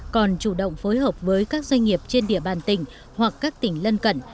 còn chủ động phối hợp với các doanh nghiệp trên địa bàn tỉnh hoặc các tỉnh lân cận